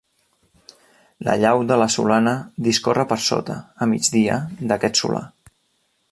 La llau de la Solana discorre per sota, a migdia, d'aquest solà.